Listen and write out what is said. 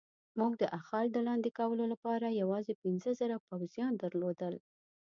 موږ د اخال د لاندې کولو لپاره یوازې پنځه زره پوځیان درلودل.